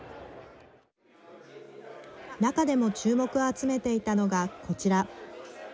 中でも注目を集めていたのがこちら。